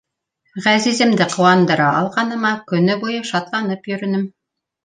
Ғәзиземде ҡыуандыра алғаныма көнө буйы шатланып йөрөнөм.